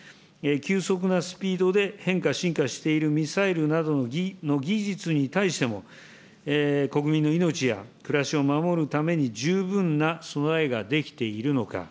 急速なスピードで変化、進化しているミサイルなどの技術に対しても、国民の命や暮らしを守るために十分な備えができているのか。